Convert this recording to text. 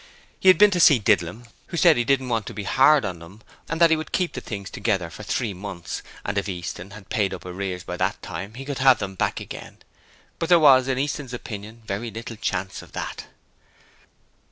He had been to see Didlum, who said he didn't want to be hard on them, and that he would keep the things together for three months, and if Easton had paid up arrears by that time he could have them back again, but there was, in Easton's opinion, very little chance of that.